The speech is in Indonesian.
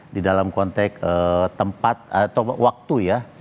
di dalam konteks tempat atau waktu ya